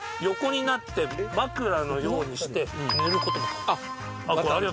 横になって枕のようにして寝ることも可能。